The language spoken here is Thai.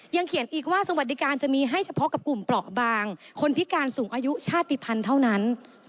เขียนอีกว่าสวัสดิการจะมีให้เฉพาะกับกลุ่มเปราะบางคนพิการสูงอายุชาติภัณฑ์เท่านั้น